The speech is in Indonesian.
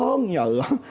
kata nabi allah